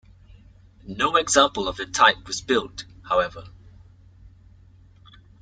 No example of the type was built, however.